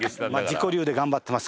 自己流で頑張ってます